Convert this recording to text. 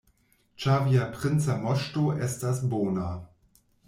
Ĉar via princa moŝto estas bona.